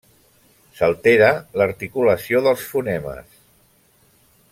S’altera l’articulació dels fonemes.